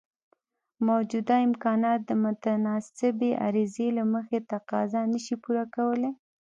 موجوده امکانات د متناسبې عرضې له مخې تقاضا نشي پوره کولای.